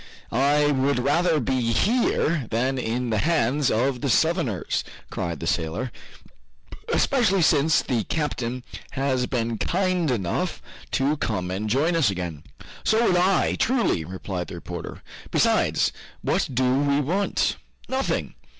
"I would rather be here than in the hands of the Southerners," cried the sailor, "especially since the captain has been kind enough to come and join us again." "So would I, truly!" replied the reporter. "Besides, what do we want? Nothing."